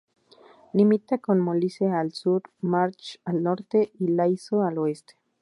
Limita con Molise al sur, Marche al norte y Lazio al oeste.